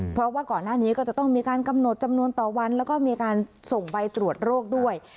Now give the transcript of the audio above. เพราะว่าก่อนหน้านี้ก็จะต้องมีการกำหนดจำนวนต่อวันแล้วก็มีการส่งใบตรวจโรคด้วย